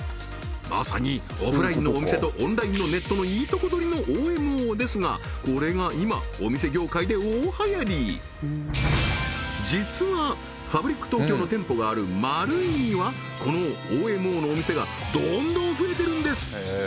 まさにオフラインのお店とオンラインのネットのいいとこ取りのＯＭＯですがこれが今お店業界で大はやり実はＦＡＢＲＩＣＴＯＫＹＯの店舗があるマルイにはこのＯＭＯのお店がどんどん増えてるんです！